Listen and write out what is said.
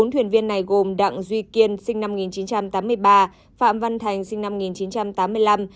bốn thuyền viên này gồm đặng duy kiên sinh năm một nghìn chín trăm tám mươi ba phạm văn thành sinh năm một nghìn chín trăm tám mươi năm